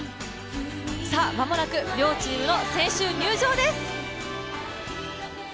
間もなく両チームの選手入場です。